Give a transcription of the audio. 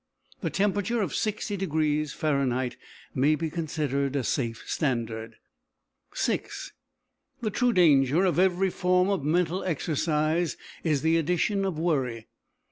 The temperature of 60° Fah. may be considered a safe standard. VI The true danger of every form of mental exercise is the addition of worry.